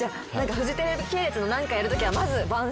フジテレビ系列の何かやるときは。